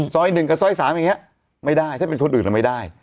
ซ้อยหนึ่งกับซ้อยสามอย่างเนี้ยไม่ได้ถ้าเป็นคนอื่นก็ไม่ได้